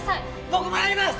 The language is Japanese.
僕もやります！